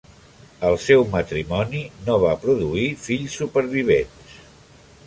El seu matrimoni no va produir fills supervivents.